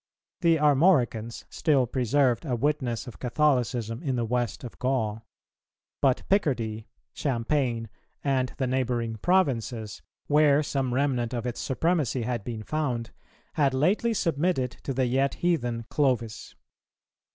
The Armoricans still preserved a witness of Catholicism in the West of Gaul; but Picardy, Champagne, and the neighbouring provinces, where some remnant of its supremacy had been found, had lately submitted to the yet heathen Clovis.